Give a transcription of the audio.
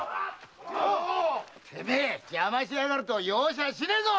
てめえは⁉邪魔しやがると容赦しねえぞ！